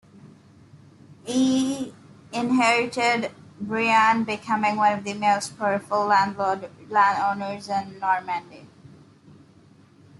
He inherited Brionne, becoming one of the most powerful landowners in Normandy.